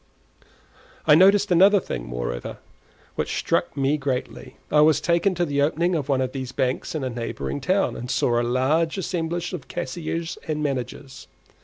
I noticed another thing, moreover, which struck me greatly. I was taken to the opening of one of these banks in a neighbouring town, and saw a large assemblage of cashiers and managers.